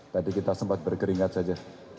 tadi kita sempat berkeringat saja